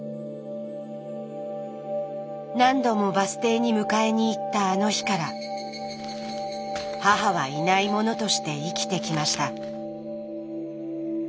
何度もバス停に迎えに行ったあの日から母はいないものとして生きてきました。